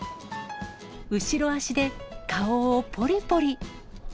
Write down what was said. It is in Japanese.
後ろ足で顔をぽりぽり。